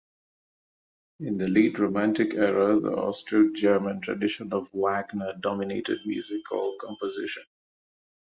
In the late Romantic era, the Austro-German tradition of Wagner dominated musical composition.